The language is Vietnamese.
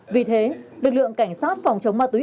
vì thế lực lượng cảnh sát phòng chống ma túy